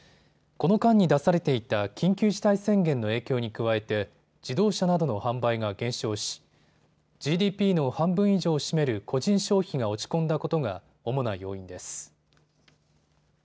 この間に出されていた緊急事態宣言の影響に加えて自動車などの販売が減少し、ＧＤＰの半分以上を占める個人消費が落ち込んだことが主な要因です。